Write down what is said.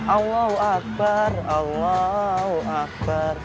allahu akbar allahu akbar